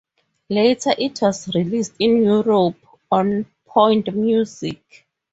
Later, it was released in Europe on Point Music.